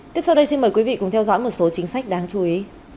tiếp sau đây xin mời quý vị cùng theo dõi một số chính sách đáng chú ý